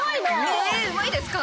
えウマいですか？